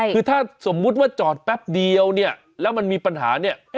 คือถ้าสมมุติว่าจอดแป๊บเดียวเนี่ยแล้วมันมีปัญหาเนี่ย